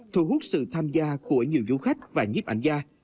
thu hút sự tham gia của nhiều du khách và nhiếp ảnh gia